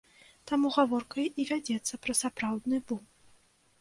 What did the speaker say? Таму гаворка і вядзецца пра сапраўдны бум.